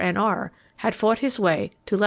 N.R., had fought his way to lat.